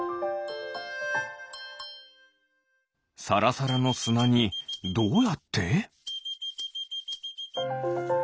さらさらのすなにどうやって？